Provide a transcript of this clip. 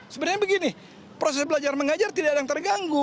sebenarnya begini proses belajar mengajar tidak ada yang terganggu